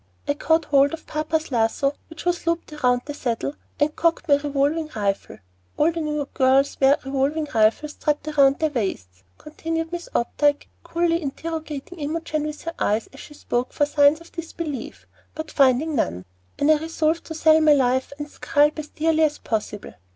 I caught hold of papa's lasso, which was looped round the saddle, and cocked my revolving rifle all the New York girls wear revolving rifles strapped round their waists," continued Miss Opdyke, coolly, interrogating Imogen with her eyes as she spoke for signs of disbelief, but finding none "and I resolved to sell my life and scalp as dearly as possible.